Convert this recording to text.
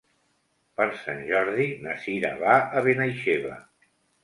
Per Sant Jordi na Sira va a Benaixeve.